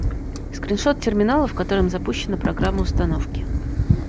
Скриншот терминала, в котором запущена программа установки